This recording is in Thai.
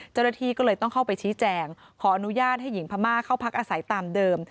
เจ้าหน้าที่ก็เลยต้องเข้าไปชี้แจงขออนุญาตให้หญิงพม่าเข้าพักอาศัยตามเดิม